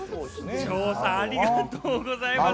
村上くん、ありがとうございます！